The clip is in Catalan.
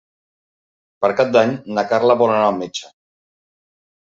Per Cap d'Any na Carla vol anar al metge.